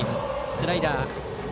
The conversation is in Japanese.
スライダー。